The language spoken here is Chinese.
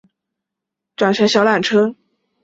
要转乘小缆车